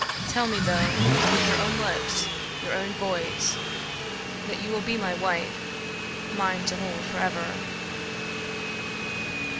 Tell me, though, with your own lips, your own voice, that you will be my wife, mine to hold forever."